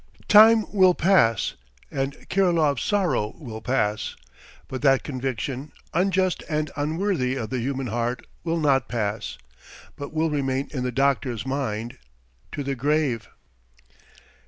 Time will pass and Kirilov's sorrow will pass, but that conviction, unjust and unworthy of the human heart, will not pass, but will remain in the doctor's mind to the grave.